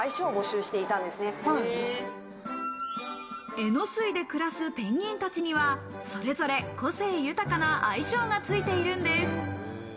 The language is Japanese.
えのすいで暮らすペンギンたちにはそれぞれ個性豊かな愛称が付いているんです。